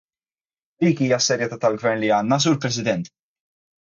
Dik hija s-serjetà tal-Gvern li għandna, Sur President!